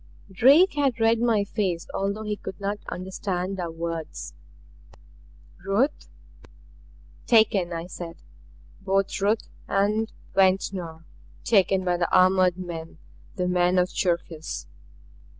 Drake had read my face although he could not understand our words. "Ruth " "Taken," I said. "Both Ruth and Ventnor. Taken by the armored men the men of Cherkis!"